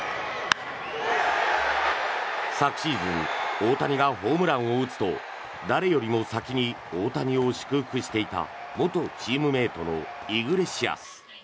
昨シーズン大谷がホームランを打つと誰よりも先に大谷を祝福していた元チームメートのイグレシアス。